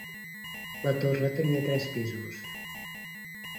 La torre tenia tres pisos.